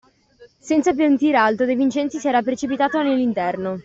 Senza sentir altro, De Vincenzi si era precipitato nell'interno